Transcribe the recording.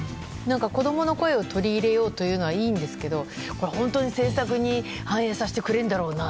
子供の声を取り入れようというのはいいんですが本当に政策に反映させてくれるんだろうな？